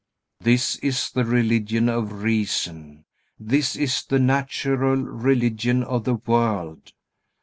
This is the religion of reason. This is the natural religion of the world.